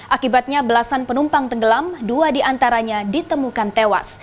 akibatnya belasan penumpang tenggelam dua di antaranya ditemukan tewas